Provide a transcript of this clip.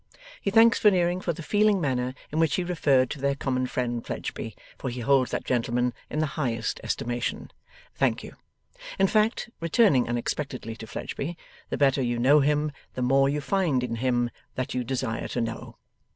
He thanks Veneering for the feeling manner in which he referred to their common friend Fledgeby, for he holds that gentleman in the highest estimation. Thank you. In fact (returning unexpectedly to Fledgeby), the better you know him, the more you find in him that you desire to know.